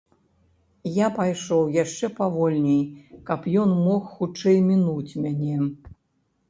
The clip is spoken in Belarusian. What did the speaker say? Я пайшоў яшчэ павольней, каб ён мог хутчэй мінуць мяне.